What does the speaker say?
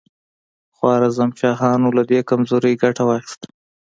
خوارزم شاهانو له دې کمزورۍ ګټه واخیسته.